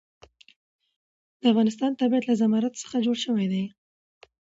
د افغانستان طبیعت له زمرد څخه جوړ شوی دی.